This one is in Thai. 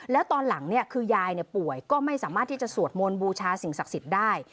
แล้วตอนหลังคือยายป่วยก็ไม่สามารถที่จะสวดมนต์บูชาสิ่งศักดิ์สิทธิ์ได้